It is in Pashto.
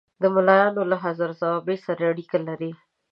د ملایانو له حاضر جوابي سره اړیکې لري.